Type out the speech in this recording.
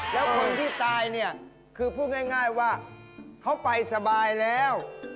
แล้วคนที่ตายเนี่ยคือพูดง่ายว่าเขาไปสบายแล้ว